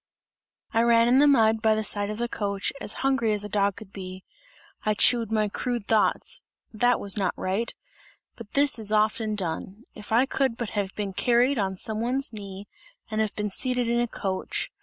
I ran in the mud, by the side of the coach, as hungry as a dog could be; I chewed my crude thoughts, that was not right but this is often done! If I could but have been carried on some one's knee and have been seated in a coach!